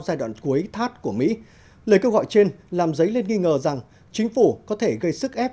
giai đoạn cuối thắt của mỹ lời kêu gọi trên làm dấy lên nghi ngờ rằng chính phủ có thể gây sức ép